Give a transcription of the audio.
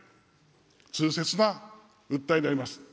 痛切な訴えであります。